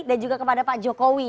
dan juga kepada pak jokowi